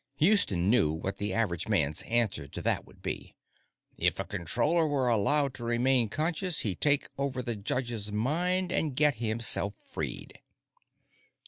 _ Houston knew what the average man's answer to that would be: "If a Controller were allowed to remain conscious, he'd take over the judge's mind and get himself freed."